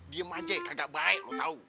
diem aja kagak baik lu tahu